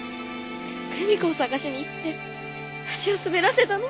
久美子を捜しに行って足を滑らせたの